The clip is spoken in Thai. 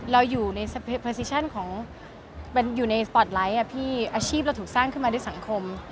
เราอยู่ในสปอตไลท์อาชีพเราถูกสร้างขึ้นมาด้วยสังคม